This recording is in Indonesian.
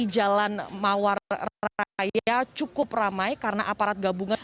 jalan mawaraya cukup ramai karena aparat gabungan